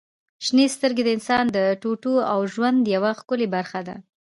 • شنې سترګې د انسان د ټوټو او ژوند یوه ښکلي برخه دي.